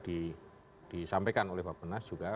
disampaikan oleh bapak penas juga